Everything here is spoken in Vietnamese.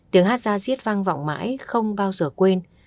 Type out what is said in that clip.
tiếng hát ra riết vang vọng mãi không bao giờ quên